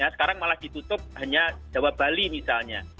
sekarang malah ditutup hanya jawa bali misalnya